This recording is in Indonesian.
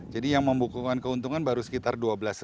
jadi yang membukakan keuntungan baru sekitar dua belas